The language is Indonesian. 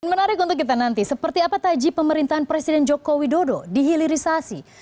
menarik untuk kita nanti seperti apa taji pemerintahan presiden joko widodo dihilirisasi